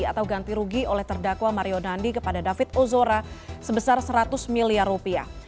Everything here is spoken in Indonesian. atau ganti rugi oleh terdakwa mario dandi kepada david ozora sebesar seratus miliar rupiah